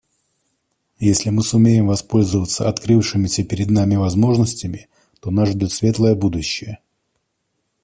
Если мы сумеем воспользоваться открывшимися перед нами возможностями, то нас ждет светлое будущее.